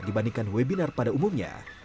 dibandingkan webinar pada umumnya